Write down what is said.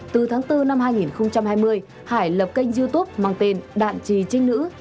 từ tháng bốn năm hai nghìn hai mươi hải lập kênh youtube mang tên đạn trì trinh nữ